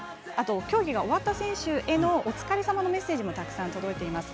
競技が終わった選手へのお疲れさまのメッセージもたくさん届いています。